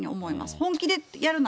本気でやるなら。